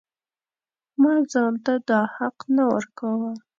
ما ځان ته دا حق نه ورکاوه.